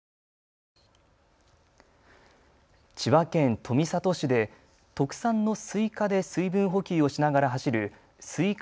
千葉県富里市で特産のスイカで水分補給をしながら走るスイカ